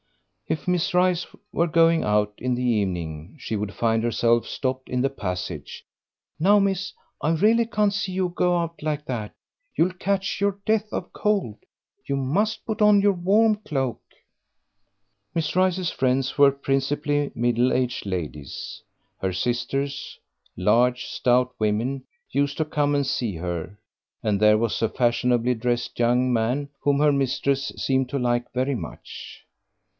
If Miss Rice were going out in the evening she would find herself stopped in the passage. "Now, miss, I really can't see you go out like that; you'll catch your death of cold. You must put on your warm cloak." Miss Rice's friends were principally middle aged ladies. Her sisters, large, stout women, used to come and see her, and there was a fashionably dressed young man whom her mistress seemed to like very much.